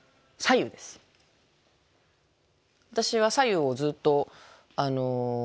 私は白湯をずっと。